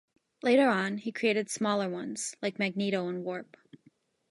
Later on, he created smaller ones -like Magneto and Warp.